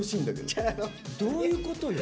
どういうことよ？